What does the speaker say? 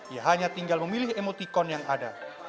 ia hanya tinggal memilih emotikon yang ada